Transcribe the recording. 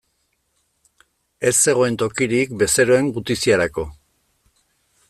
Ez zegoen tokirik bezeroen gutiziarako.